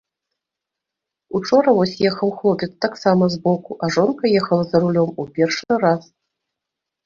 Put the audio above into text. Учора вось ехаў хлопец таксама збоку, а жонка ехала за рулём у першы раз.